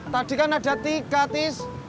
tadi kan ada tiga tis